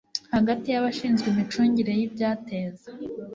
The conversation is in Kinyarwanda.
hagati y abashinzwe imicungire y ibyateza